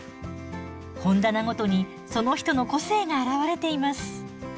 本棚ごとにその人の個性が表れています。